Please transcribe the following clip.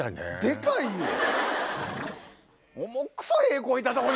でかいよ。